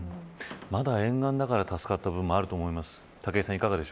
まだ沿岸だから助かった部分もあると思います。